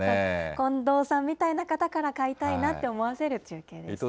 近藤さんみたいな方から買いたいなって思わせる中継でした。